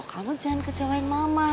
kamu jangan kecewain mama